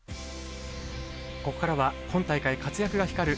ここからは今大会、活躍が光る